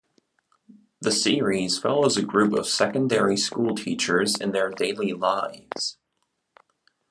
The series follows a group of secondary school teachers in their daily lives.